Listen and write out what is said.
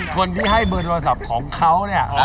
คนที่ให้เบอร์โทรศัพท์ของเขาเนี่ย